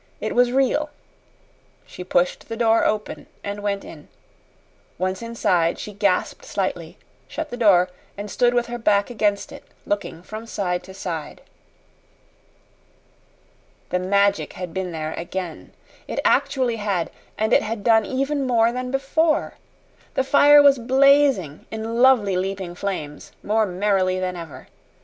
It was real." She pushed the door open and went in. Once inside, she gasped slightly, shut the door, and stood with her back against it looking from side to side. The Magic had been there again. It actually had, and it had done even more than before. The fire was blazing, in lovely leaping flames, more merrily than ever.